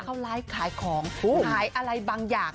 เขาไลฟ์ขายของขายอะไรบางอย่าง